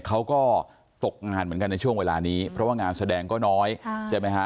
เขาก็ตกงานเหมือนกันในช่วงเวลานี้เพราะว่างานแสดงก็น้อยใช่ไหมฮะ